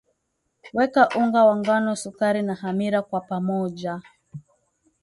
weka unga wa ngano sukari na hamira kwa pamoja